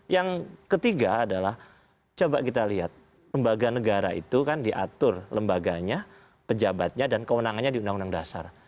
yang ketiga adalah coba kita lihat lembaga negara itu kan diatur lembaganya pejabatnya dan kewenangannya di undang undang dasar